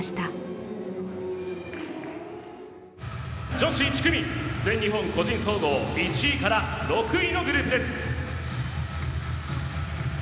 「女子１組全日本個人総合１位から６位のグループです」。